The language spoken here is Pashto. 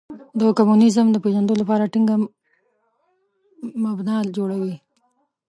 د کمونیزم د پېژندلو لپاره ټینګه مبنا جوړوي.